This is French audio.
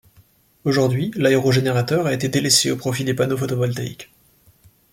Aujourd'hui, l'aéro-générateur a été délaissé au profit de panneaux photovoltaïques.